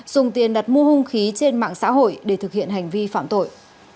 dùng tiền đặt mua hung khí trên mạng xã hội để thực hiện hành vi phạm tội